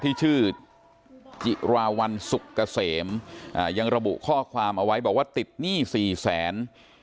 ที่ชื่อจิราวัลสุกเกษมอ่ายังระบุข้อความเอาไว้บอกว่าติดหนี้สี่แสน